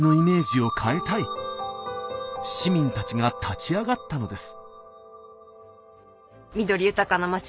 市民たちが立ち上がったのです。